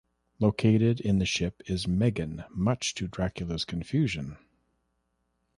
Located in the ship is Meggan, much to Dracula's confusion.